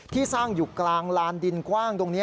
ที่สร้างอยู่กลางลานดินกว้างตรงนี้